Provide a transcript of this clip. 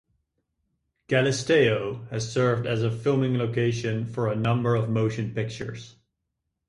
Galisteo has served as a filming location for a number of motion pictures.